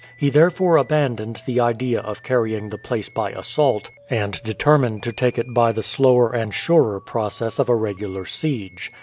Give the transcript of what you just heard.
He therefore abandoned the idea of carrying the place by assault, and determined to take it by the slower and surer process of a regular siege.